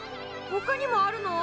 ほかにもあるの？